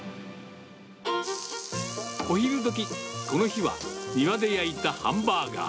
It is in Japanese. お昼どき、この日は、庭で焼いたハンバーガー。